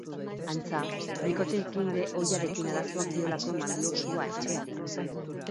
Antza, bikotekide ohiarekin arazoak diolako eman dio sua etxeari.